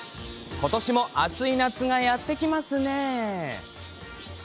今年も暑い夏がやって来ますね。